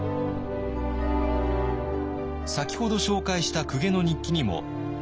先ほど紹介した公家の日記にも。